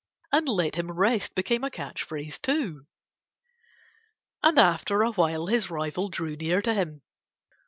And "let him rest" became a catch phrase too. And after a while his rival drew near to him.